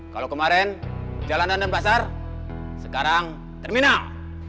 kalau kemarin jalanan dan pasar sekarang terminal